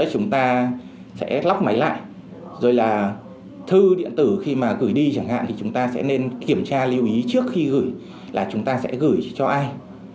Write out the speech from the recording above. chúng ta sẽ lắp máy lại rồi là thư điện tử khi mà gửi đi chẳng hạn thì chúng ta sẽ nên kiểm tra lưu ý trước khi gửi là chúng ta sẽ gửi cho ai